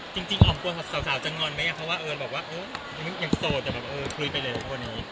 จริงอ่อมกลัวสาวจะงอนไหมเพราะว่าเออแบบว่าเออยังโสดแต่แบบเออคุยไปเลยกับพวกนี้